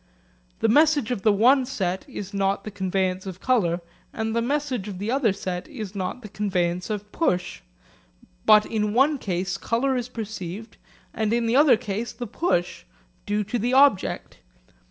The message of the one set is not the conveyance of colour, and the message of the other set is not the conveyance of push. But in one case colour is perceived and in the other case the push due to the object.